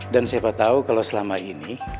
siapa tahu kalau selama ini